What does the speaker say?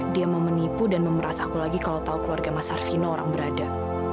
dia mau menipu dan memerasaku lagi kalau tahu keluarga mas arvino orang berada